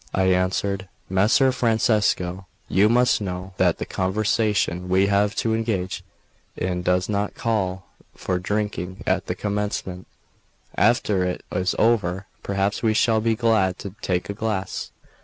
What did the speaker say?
I answered: "Messer Francesco, you must know that the conversation we have to engage in does not call for drinking at the commencement; after it is over, perhaps we shall be glad to take a glass."